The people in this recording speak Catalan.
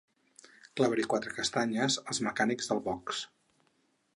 Clavaré quatre castanyes als mecànics del box.